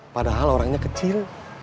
padahal orangnya kecil